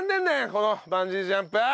このバンジージャンプ！